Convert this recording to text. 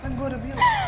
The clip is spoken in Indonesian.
kan gue udah bilang